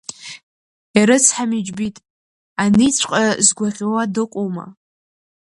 Ирыцҳами, џьбит, аниҵәҟьа згәаӷьуа дыҟоума?